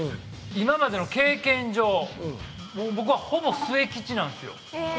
今までの経験上僕はほぼ末吉なんすよ。